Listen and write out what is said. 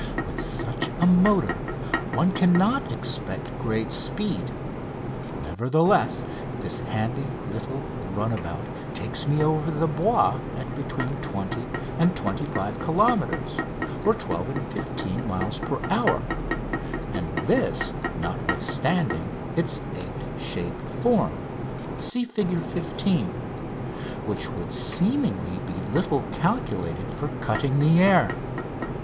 With such a motor one cannot expect great speed; nevertheless, this handy little runabout takes me over the Bois at between 20 and 25 kilometres (12 and 15 miles) per hour, and this notwithstanding its egg shaped form (Fig. 15), which would seemingly be little calculated for cutting the air.